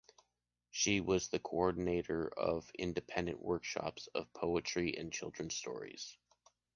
She was the coordinator of independent workshops of poetry and children stories.